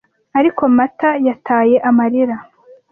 Ariko Mata - yataye amarira,